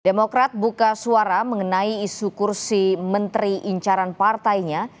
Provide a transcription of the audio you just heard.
demokrat buka suara mengenai isu kursi menteri incaran partainya